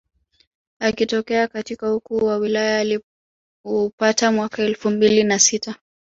Akitokea katika ukuu wa wilaya alioupata mwaka elfu mbili na sita